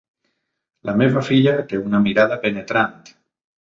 La meva filla té una mirada penetrant.